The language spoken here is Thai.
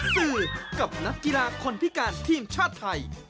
สื่อกับนักกีฬาคนพิการทีมชาติไทย